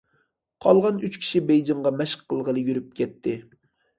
قالغان ئۈچ كىشى بېيجىڭغا مەشىق قىلغىلى يۈرۈپ كەتتى.